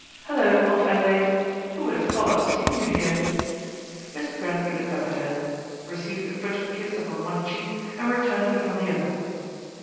" Hullo, Aunt Adelaide ! Who would have thought of seeing you here." Miss Brent looked up at her, received the frigid kiss upon one cheek and returned it upon the other.